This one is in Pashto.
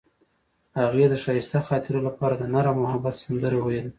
هغې د ښایسته خاطرو لپاره د نرم محبت سندره ویله.